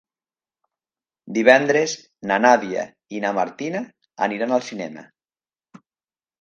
Divendres na Nàdia i na Martina aniran al cinema.